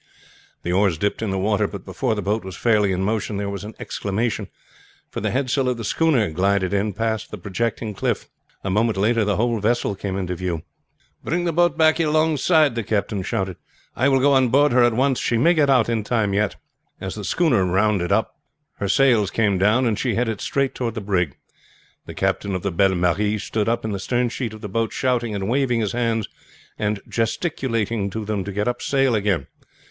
The oars dipped in the water, but before the boat was fairly in motion there was an exclamation, for the head sail of the schooner glided in past the projecting cliff. A moment later the whole vessel came into view. "Bring the boat back alongside!" the captain shouted. "I will go on board her at once. She may get out in time yet!" As the schooner rounded up her sails came down, and she headed straight toward the brig. The captain of the Belle Marie stood up in the stern sheet of the boat, shouting and waving his hands and gesticulating to them to get up sail again.